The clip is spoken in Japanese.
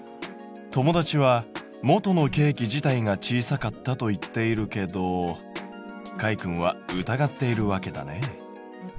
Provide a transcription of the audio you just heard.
友達は「元のケーキ自体が小さかった」と言っているけどかいくんは疑っているわけだね。